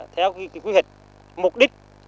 theo quyết định mục đích